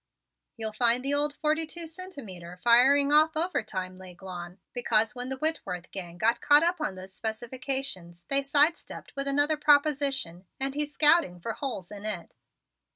"You'll find old Forty Two Centimeter firing off overtime, L'Aiglon, because when the Whitworth gang got caught up on those specifications they side stepped with another proposition and he's scouting for holes in it.